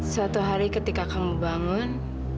suatu hari ketika kamu bangun